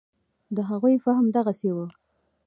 د هغوی فهم دغسې و.